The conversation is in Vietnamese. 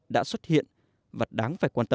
đã xuất hiện và đáng phải quan tâm